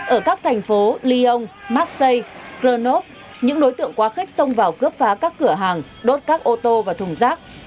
ở các thành phố lyon marksi pronov những đối tượng quá khích xông vào cướp phá các cửa hàng đốt các ô tô và thùng rác